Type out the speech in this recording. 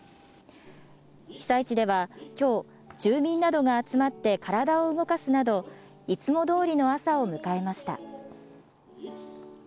被災地ではきょう、住民などが集まって体を動かすなど、いつもどおりの朝を迎えました。